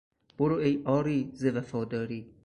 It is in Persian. برو ای عاری ز وفاداری...